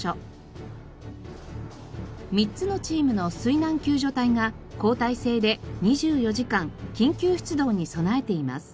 ３つのチームの水難救助隊が交代制で２４時間緊急出動に備えています。